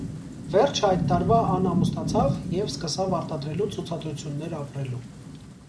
Վերջը այդ տարուայ ան ամուսնացաւ եւ սկսաւ արտադրելու ցուցադրութիւններ ապրելու։